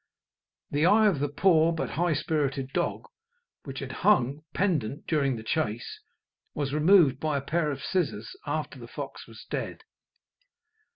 The eye of the poor but high spirited dog, which had hung pendent during the chase, was removed by a pair of scissors after the fox was dead.